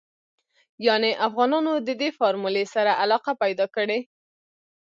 يانې افغانانو ددې فارمولې سره علاقه پيدا کړې.